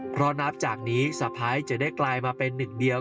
เพราะนับจากนี้สะพ้ายจะได้กลายมาเป็นหนึ่งเดียว